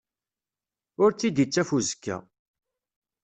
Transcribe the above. Ur tt-id-ittaf uzekka.